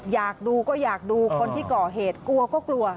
อยากดูก็อยากดูคนที่ก่อเหตุกลัวก็กลัว